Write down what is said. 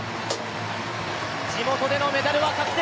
地元でのメダルは確定。